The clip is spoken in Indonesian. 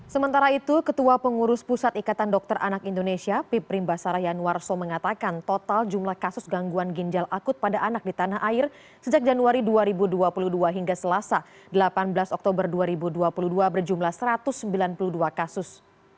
sementara itu ketua pengurus pusat ikatan dokter anak indonesia piprim basarah yanwarso mengatakan total jumlah kasus gangguan ginjal akut pada anak di tanah air sejak januari dua ribu dua puluh dua hingga selasa delapan belas oktober dua ribu dua puluh dua berjumlah satu ratus sembilan puluh dua kasus